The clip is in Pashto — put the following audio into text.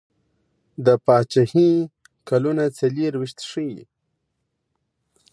د پاچهي کلونه څلیرویشت ښيي.